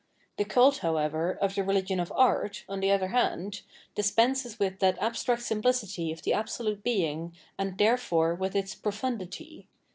The cult, however, of the religion of art, on the other hand, dispenses with that abstract simplicity of the absolute Being, and therefore with its " profundity.